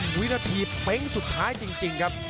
วินาทีเป๊งสุดท้ายจริงครับ